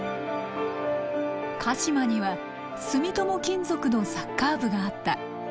鹿嶋には住友金属のサッカー部があった。